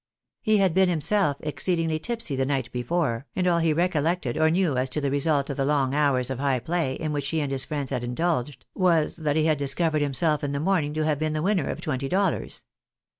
He had been himself exceedingly tipsy the night before, and all he recollected or knew as to the result of the long hours of high play in which he and his friends had indulged, was that he had discovered himself in the morning to have been the winner of twenty dollars.